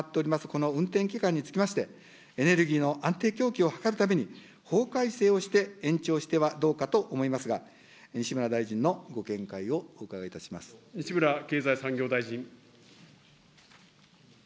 この運転期間につきまして、エネルギーの安定供給を図るために、法改正をして延長をしてはどうかと思いますが、西村大臣のご見解西村経済産業大臣。